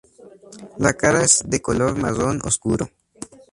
La cara es de color marrón oscuro.